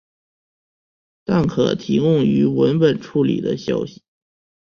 但可提供用于文本处理的信息。